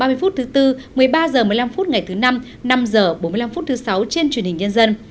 ba mươi phút thứ tư một mươi ba h một mươi năm phút ngày thứ năm năm h bốn mươi năm phút thứ sáu trên truyền hình nhân dân